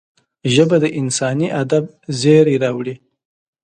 ژبه د انساني ادب زېری راوړي